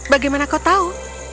bagaimana kau tahu